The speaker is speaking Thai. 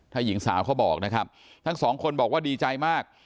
ถ้าหญิงสาวเขาบอกนะครับทั้งสองคนบอกว่าดีใจมาก